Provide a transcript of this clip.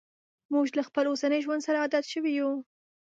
موږ له خپل اوسني ژوند سره عادت شوي یو.